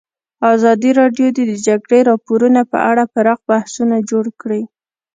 ازادي راډیو د د جګړې راپورونه په اړه پراخ بحثونه جوړ کړي.